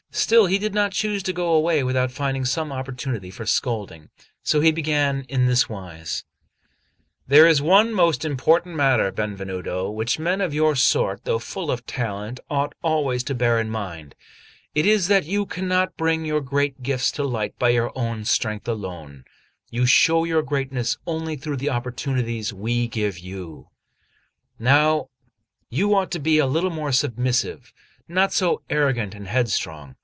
Still he did not choose to go away without finding some opportunity for scolding; so he began in this wise: "There is one most important matter, Benvenuto, which men of your sort, though full of talent, ought always to bear in mind; it is that you cannot bring your great gifts to light by your own strength alone; you show your greatness only through the opportunities we give you. Now you ought to be a little more submissive, not so arrogant and headstrong.